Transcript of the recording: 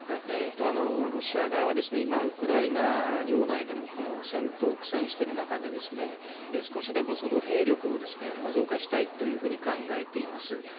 ロシア側は今、ウクライナ領内でも戦闘、苦戦している中で、少しでも兵力を増加したいというふうに考えています。